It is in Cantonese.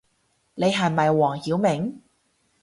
你係咪黃曉明